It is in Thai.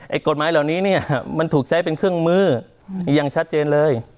กฎหมายเหล่านี้เนี่ยมันถูกใช้เป็นเครื่องมืออย่างชัดเจนเลย